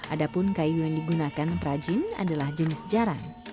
adapun kayu yang digunakan prajin adalah jenis jarang